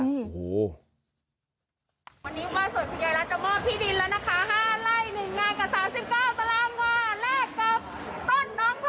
วันนี้ว่าสวัสดีใหญ่รักจะมอบที่ดินแล้วนะคะ